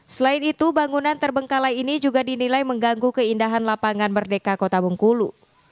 selain itu bangunan terbengkalai ini juga dinilai mengganggu keindahan lapangan merdeka kota bengkulu